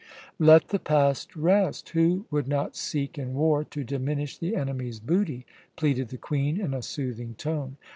"Let the past rest! Who would not seek in war to diminish the enemy's booty?" pleaded the Queen in a soothing tone.